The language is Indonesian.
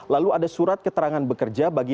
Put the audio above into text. lalu ada surat keterangan dari rumah sakit